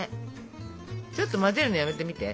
ちょっと混ぜるのやめてみて。